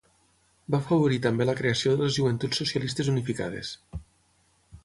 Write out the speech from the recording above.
Va afavorir també la creació de les Joventuts Socialistes Unificades.